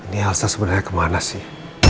ini elsa sebenarnya kemana sih